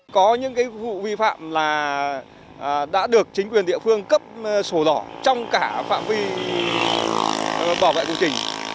có những vụ vi phạm là đã được chính quyền địa phương cấp sổ đỏ trong cả phạm vi bảo vệ công trình